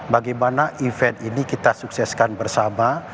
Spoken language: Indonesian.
bagaimana event ini kita sukseskan bersama